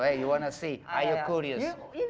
kamu ingin lihat kamu penasaran